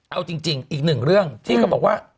เอาจริงอีกหนึ่งเรื่องที่เขาบอกว่า